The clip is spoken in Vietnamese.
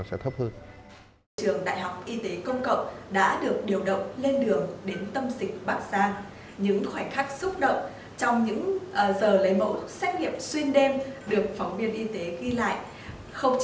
sau đó hôm nay em vẫn còn sức để làm nhiều lắm